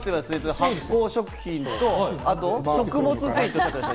発酵食品と食物繊維。